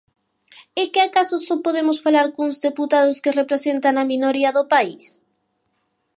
¿É que acaso só podemos falar cuns deputados que representan a minoría do país?